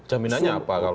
jaminannya apa kalau